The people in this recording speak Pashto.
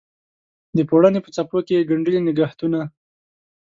د پوړنې په څپو کې یې ګنډلي نګهتونه